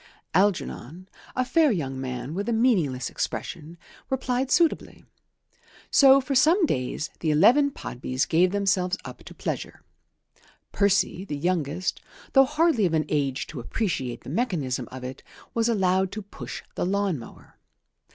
Algernon, a fair young man with a meaningless expression, replied suitably. So for some days the eleven Podbys gave themselves up to pleasure. Percy, the youngest, though hardly of an age to appreciate the mechanism of it, was allowed to push the lawn mower.